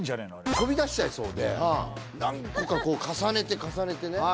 飛び出しちゃいそうで何個かこう重ねて重ねてね